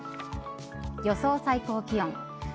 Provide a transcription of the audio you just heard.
予想最高気温。